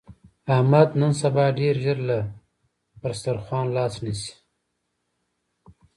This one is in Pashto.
احمد نن سبا ډېر ژر له پر دستاخوان لاس نسي.